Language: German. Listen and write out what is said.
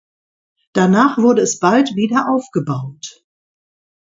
Danach wurde es bald wieder aufgebaut.